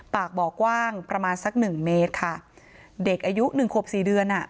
ปากบ่อกว้างประมาณสักหนึ่งเมตรค่ะเด็กอายุหนึ่งขวบสี่เดือนอ่ะ